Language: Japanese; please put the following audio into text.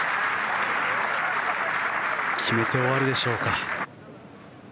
決めて終わるでしょうか。